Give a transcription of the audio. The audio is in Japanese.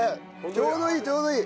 ちょうどいいちょうどいい。